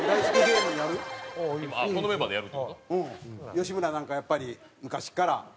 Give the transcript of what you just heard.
吉村なんかやっぱり昔から。